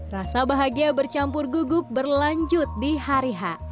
rasa bahagia bercampur gugup berlanjut di hari h